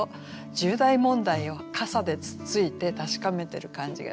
重大問題を傘でつっついて確かめてる感じがしませんか？